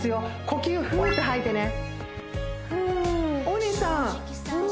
呼吸フーっと吐いてね